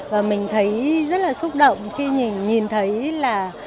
và mình thấy rất là xúc động khi nhìn thấy là